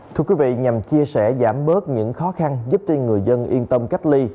thưa quý vị nhằm chia sẻ giảm bớt những khó khăn giúp tri người dân yên tâm cách ly